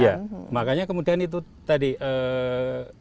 ya makanya kemudian itu tadi apa distribusi